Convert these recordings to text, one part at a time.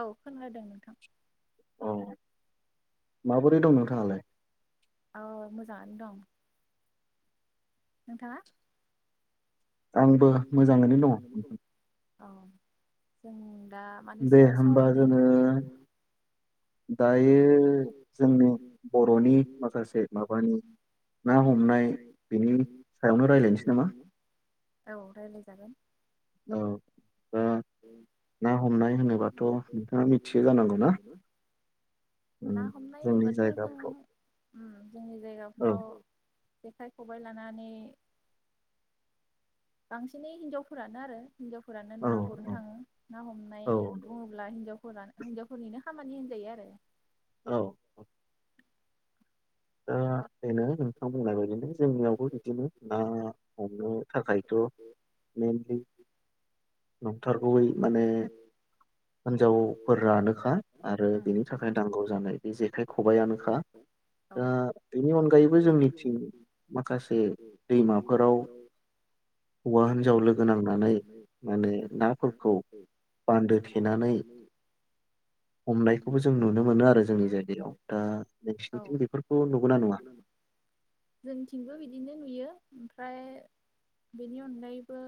औ खोनादों नोंथां। औ मोजां। दं। नोंथाङा? आंबो मोजाङैनो दङ। जों दा मानि सायाव सावरायनो? दायो जोंनि बर'नि माखासे माबानि ना हमनाय बेनि सायावनो रायलायनोसै नामा औ। [unintelligible] ना हमनाय होनोबाथ' जों उम जोंनि जायगाफ्राव जेखाइ खबाय लानानै। बांसिनै हिनजावफोरानो आरो। हिनजावफोरानो ना गुरनो थाङो ना हमनाय बुङोब्ला हिनजाव। फोरा हिनजावफोरनिनो खामानि होनजायो आरो। औ दा बेनो नोंथां बुंनाय बायदिनो जोंनियावबो बिदिनो ना। आरो थाखायथ' मेइनलि नंथारगौयै माने हिनजावफोरानोखा आरो बेनि थाखाय नांगौ जानाय बे जेखाइ खबाइयानोखा। दा बेनि अनगायैबो जोंनिथिं माखासे दैमाफोराव। हौवा हिनजाव लोगो नांनानै माने नाफोरखौ बान्दो थेनानै। हमनायखौबो जों नुनो मोनो आरो जोंनि जायगायाव दा नोंसिनिथिं। जोंथिंबो बिदिनो नुयो। ओमफ्राय बेनि अनगायैबो।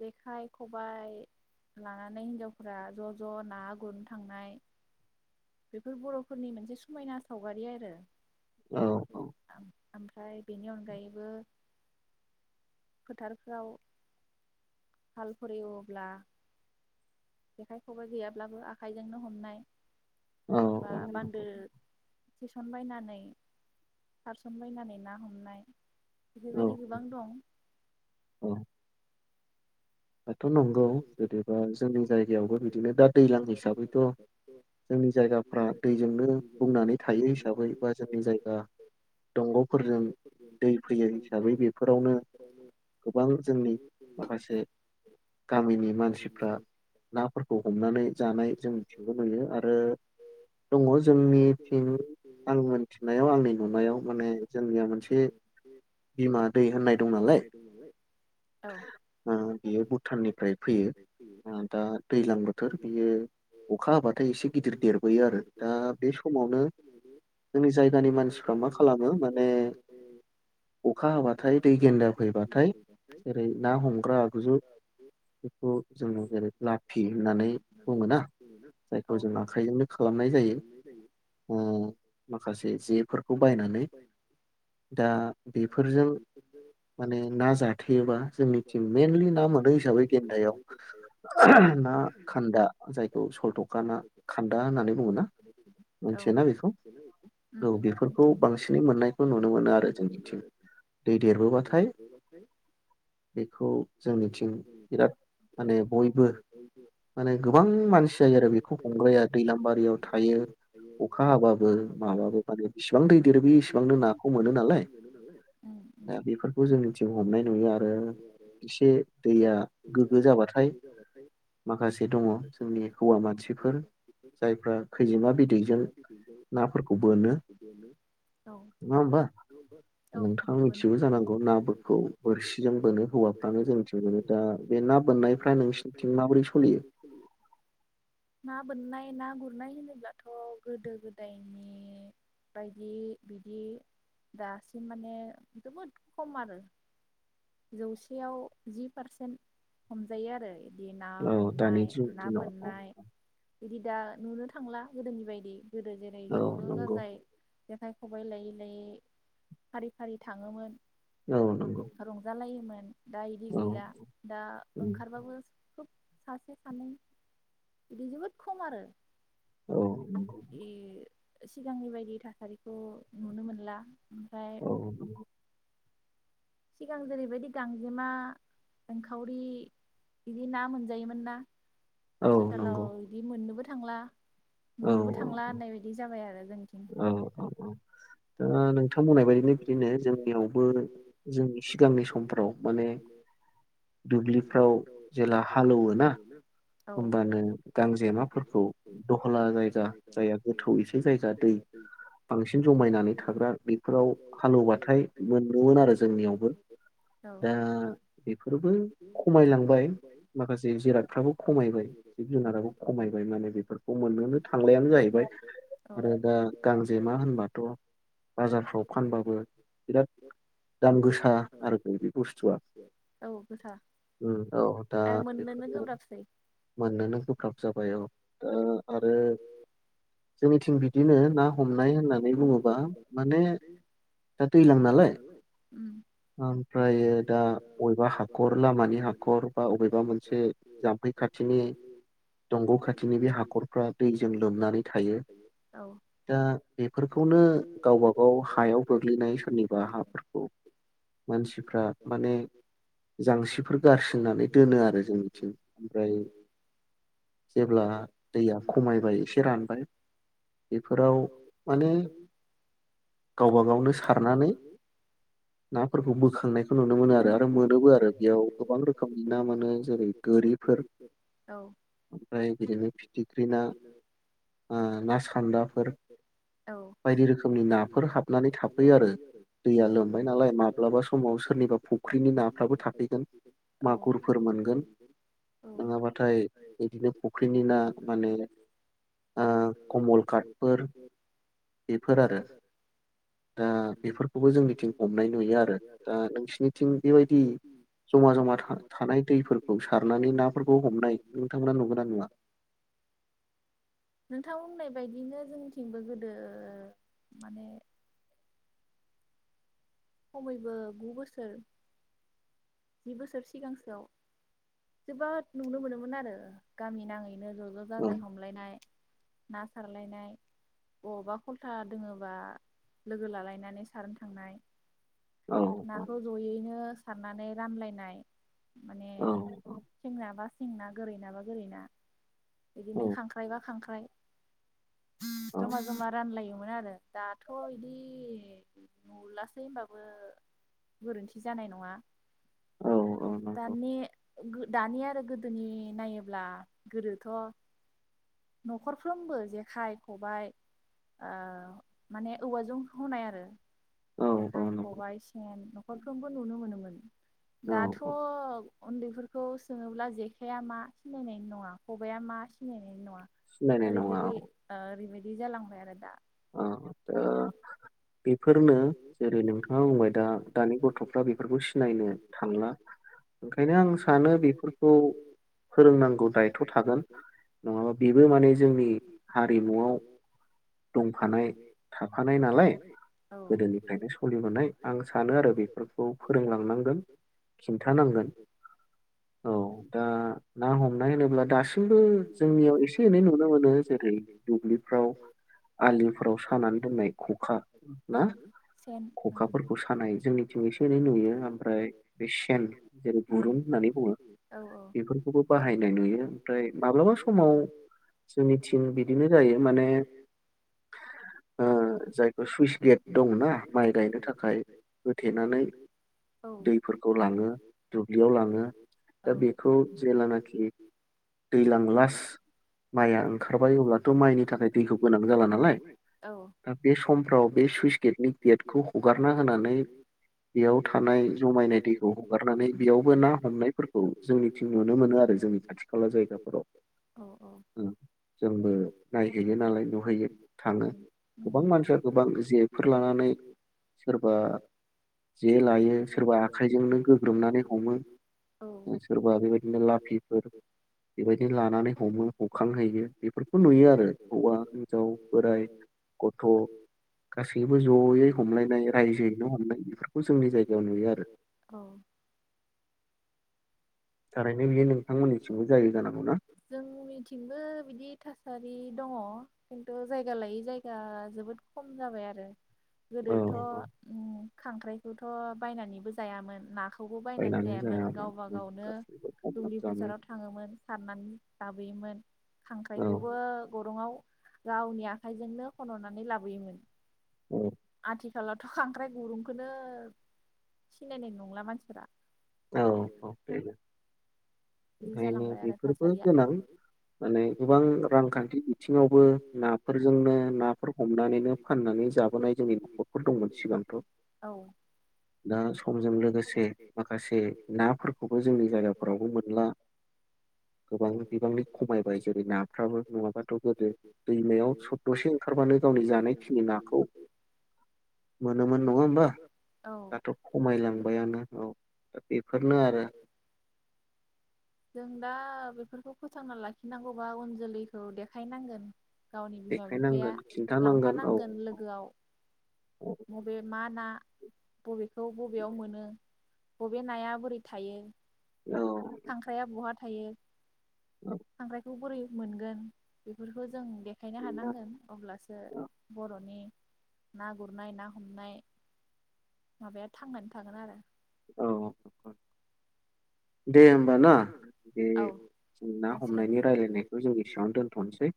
जेखाइ खबाय लानानै हिनजावफोरा ज' ज' ना गुरनो थांनाय। बेफोर बर'फोरनि मोनसे समायना सावगारि आरो। औ औ ओमफ्राय बेनि अनगायैबो। फोथारफोराव हाल फोर एवोब्ला। जेखाइ खबाइ गैयाब्लाबो आखाइजोंनो हमनाय। बा बान्दो थिस सारसन बायनानै सारसनबायनानै ना हमनाय। बेफोरबायदि गोबां दं। थ' नंगौ जेनेबा जोंनि जायगायावबो बिदिनो दा दैज्लां हिसाबैथ' जोंनि जायगाफ्रा दैजोंनो बुंनानै थायो हिसाबै बा जोंनि जायगा दंग'फोरजों दै फैयो। हिसाबै बेफोरावनो गोबां जोंनि माखासे। गामिनि मानसिफ्रा नाफोरखौ हमनानै जानाय जोंनिथिंबो नुयो आरो दङ जोंनिथिं आं मोनथिनायाव आंनि नुनायाव माने जोंनिया मोनसे बिमा दै होननाय दं नालाय ओ बेयो भुट टाननिफ्राय फैयो ओ दा दैलां बोथोर बियो अखा हाबाथ थाय एसे गिदिर देरबोयो आरो। दा बे समावनो जोंनि जायगानि मानसिफ्रा मा खालामो माने अखा हाबाथाय। दै गेन्दा फैबाथाय। जेरै ना हमग्रा आगजु। बेखौ जोङो जेरै लाखियो। होननानै बुङो। जायखौ जों आखायजोंनो। खालामनाय जायो अ माखासे जेफोरखौ बायनानै दा बेफोरजों माने ना जाया [unintelligible] गेन्दायाव ना खान्दा जायखौ सलथखा ना खान्दा होननानै बुङोना मोनथियोना बेखौ? औ बेफोरखौ बांसिनै मोननायखौ नुनो मोनो आरो जोंनिथिं। दै देरबोबाथाय बेखौ जोंनिथिं बिराद माने बयबो माने गोबां मानसि जायो आरो बेखौ हमग्राया दैलांबा बारियाव थायो। अखा हाबाबो माबाबो माने बेसेबां दै देरो बे एसेबांनो नाखौ मोनो नालाय दा बेफोरखौ जोंनिथिं हमनाय नुयो आरो एसे दैया गोग्गो जाबाथाय माखासे दङ जोंनि हौवा मानसिफोर जायफ्रा खैजोमा बि बिदैजों नाफोरखौ बोनो, नङा होमबा? नोंथाङा मिथिगौ जानांगौ नाफोरखौ बोरसिजों बोनो हौवाफ्रानो जों मिथिनो मोनो दा बे ना बोननायफ्रा नोंसिनिथिं माबोरै सोलियो? ना बोननाय ना गुरनाय होनोब्लाथ' गोदो गोदायनि बायदि बिदि दासिम माने जोबोद खम आरो। जौसेयाव जि पारसेन्ट हमजायो आरो बि ना हमनाय ना बोननाय बिदि दा नुनो थांला गोदोनि बायदि। गोदो जेरै ज' ज' जाजाय जेखाइ खबाइ लायै लायै फारि फारि थाङोमोन औ नंगौ। जालायोमोन दा इदि गैला, दा ओंखारबाबो खोब सासे सानै इदि जोबोद खम आरो ऐ सिगांनि बायदि थासारिखौ नुनो मोनला औ नंगौ। सिगां जेरैबायदि गांजेमा ओंखावरि बिदि ना मोनजायोमोन ना? आथिखालाव इदि मोननोबो थांला नुनोबो थांला होननाय बायदि जाबाय आरो जों औ औ औ। ओ नोंथां बुंनाय बायदिनो बिदिनो जोंनियावबो जोंनि सिगांनि समफ्राव माने दुब्लिफ्राव जेला हालेवो ना होमबानो गांजेमाफोरखौ दहला जायगा जायया गोथौ एसे जायगा दै बांसिन जमायनानै थाग्रा बेफोराव हालेवबाथाय मोनब्रबोमोन आरो जोंनियावबो। दा बेफोरबो खमायलांबाय माखासे जिरादफ्राबो खमायबाय जिब जुनाराबो खमायबाय माने बेफोरखौ मोननोनो थांलायानो जाहैबाय आरो दा गांजेमा होनबाथ' बाजारफ्राव फानबाबो बिराद दाम गोसा आरो बे बुस्थुआ। औ दा बेफोरनो मोननोनो गोब्राब जाबाय औ दा आरो जोंनिथिं बिदिनो ना हमनाय होननानै बुङोबा माने दा दैज्लां नालाय ओमफ्रायो दा अबेबा हाखर लामानि हाखर बा अबेबा मोनसे। जाम्फै खाथिनि दंग' खाथिनि बे हाखरफ्रा दैजों लोमनानै थायो दा बेफोरखौनो गावबा। औ हायाव गोग्लैनाय सोरनिबा हाफोरखौ मानसिफ्रा माने जांसिफोर गारसिननानै दोनो आरो जोंथिं। ओमफ्राय जेब्ला दैया खमायबाय एसे रानबाय बेफोराव माने। गावबा गावनो सारनानै नाफोरखौ बोखांनायखौ नुनो मोनो आरो आरो मोनोबो आरो बेयाव गोबां रोखोमनि ना मोनो जेरै गोरि। फोर ओमफ्राय बिदिनो फिथिख्रि आ ना सान्दाफोर बायदि रोखोम। रोखोमनि नाफोर हाबनानै थाफैयो आरो दैया लोमबाय नालाय माब्लाबा समाव सोरनिबा फुख्रिनि नाफ्राबो थाफैगोन मागुरफोर मोनगोन। नङाबाथाय बिदिनो फुख्रिनि ना माने ओ-कमल काटफोर बेफोर। दा बेफोरखौबो जोंनिथिं हमनाय नुयो आरो दा नोंसिनिथिं बेबायदि जमा जमा था-थानाय दैफोरखौ सार नि नाफोरखौ हमनाय नोंथांमोना नुगोना नुवा? होननाय बायदिनो जोंनिथिंबो गोदो। माने। खमैबो गु बोसोर। जि बोसोर सिगांसोआव जोबोद नुनो मोनोमोन आरो गामि नाङै। बिदिनो ज' ज' जाजाय हमलायनाय। ना सारलायनाय बबावबा खथा दोङोबा लोगो लालायनानै सारनो थांनाय। नाखौ जयैनो। सारनानै। रामलायनाय। माने सेंना बास। सें ना गोरै नाबा गोरै ना बिदिनो खांख्राइबा खांख्राइ। जमा जमा रानलायोमोन आरो दाथ' बिदि नुलासै होनबाबो गोरोन्थि जानाय नङा। दानि। दानि आरो गोदोनि नायोब्ला गोदोथ' न'खरफ्रोमबो जे। खाइ खबबाय ओ-माने औवाजों हनाय आरो। जेखाइ खबाइ सेन न'खरफ्रोमबो नुनो मोनोमोन दाथ' उन्दैफोरख खौ सोङोब्ला जेखाइया मा सिनायनायनि नङा खबाइया मा सिनायनाय नङा। सिनायनाय नङा औ। आ ओरैबायदि जालांबाय आरो दा। ओ-ओ-दा बेफोरनो जेरै नोंथाङा बुंबाय दा दानि गथ'फ्रा बेफोरखौ सिनायनो थांला ओंखायनो आं सानो बेफोरखौ फोरोंनांगौ दायथ' थागोन नङाबा बेबो माने जोंनि हारिमुआव। बुंफानाय थाफानाय नालाय। गोदोनिफ्रायनो सलिबोनाय आं सानो आरो बेफोरखौ फोरोंलांनांगोन खिन्थानांगोन औ दा ना हमनाय होनोब्ला दासिमबो जोंनियाव एसे एनै नुनो मोनो जेरै दुब्लिफ्राव आलिफोराव सानानै दोननाय खखा ना खखाफोरखौ सानाय जोंनिथिं एसे एनै नुयो ओमफ्राय बे सेन जेरै गुरुं होननानै बुङो बेफोरखौबो बाहायनाय नुयो ओमफ्राय माब्लाबा समाव जोंनिथिं बिदिनो जायो माने ओ जायखौ सु गेट दंना माइ गायनो थाखाय होथेनानै दैफोरखौ लाङो दुब्लियाव लाङो दा बेखौ जेलानाखि दैज्लां लास माइआ ओंखारबाय अब्लाथ' माइनि थाखाय दैखौ जाला‌ नालाय दा बे समफ्राव बे सुइस गेटनि गेटखौ हगारना होनानै बेयाव थानाय जमायनाय दैखौ हगारनानै बेयावबो ना हमनायफोरखौ जोंनिथिं नुनो मोनो आरो जोंनि खाथि खाला जायगाफोराव उम जोंबो नायहैयो। दुगैयो थाङो गोबां मानसिया गोबां जेफोर लानानै सोरबा जे लायो सोरबा आखाइजोंनो गोग्रोमनानै हमो सोरबा बेबायदिनो लाफिफोर बेबायदिनो लानानै हमो हखांहैयो बेफोरखौ नुयो आरो हौवा हिनजाव बोराय गथ' गासैबो जयै हमलायनाय रायजोयैनो हमनाय बेफोरखौ जोंनि जायगायाव नुयो आरो। थारैनो बियो नोंथांमोननिथिंबो जायो जानांगौ ना? थासारि दङ खिन्थु जायगा लायै जायगा जोबोद खम जाबाय आरो। गोदोथ' उम। खांख्राइखौथ' बायनानैबो जायामोन ना? बायनानै जायामोन उम गासैखौबो दुबुलि फोथाराव थाङोमोन सारनानै ला बोयोमोन खांख्राइखौबो गरंआव। गावनि आखाइजोंनो खन'नानै लाबोयोमोन। औ आथिखालावथ' खांख्राइ गुरुंखौनो सिनायनाय नंला मानसिफोरा औ औ बेनो। ओंखायनो बेफोरबो गोनां माने गोबां रांखान्थि बिथिङावबो नाफोरजोंनो नाफोर हमनानैनो फाननानै जाबोनाय जोंनि न'खरफोर दंमोन सिगांथ' दा समजों लोगोसे माखा से नाफोरखौबो जोंनि जायगाफोरावबो मोनला [inaudible] गोबां बिबांनि खमायबाय जेरै नाफ्राबो नङाबाथ' गोदो दैमायाव सददसे ओंखारबानो गावनि जानाय खिनि नाखौ मोनोमोन नङा होमबा दाथ' खमायलांबायआनो औ। बेफोरनो आरो जों दा बेफोरखौ फोथांना लाखिनांगौबा उन जोलैखौ देखायनांगोन। गावनि बिमा -बिफाया लांफानांगोन लोगोआव बबे मा ना बबेखौ बबेयाव मोनो बबे नाया बोरै थायो। खांख्राइाया बहा थायो। खांख्रायखौ बोरै मोनगोन बेफोरखौ जों जों देखायनो हानांगोन अब्लासो बर'नि ना गुरनाय, ना हमनाय माबाया थांनानै थागोन आरो। औ। दे होमब ना बे जों ना हमनायनि रायलायनायखौ जों ऐसेआवनो दोनथ'नोसै।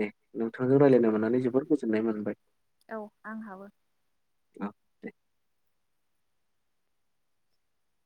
दे नोंथांजों रायलायनो मोननानै जोबोर गोजोननाय मोनबाय। औ दे।